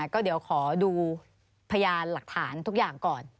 ก็เดี๋ยวขอดูพยานหลักฐานทุกอย่างก่อน